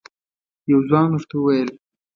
یو ځوان ورته وویل: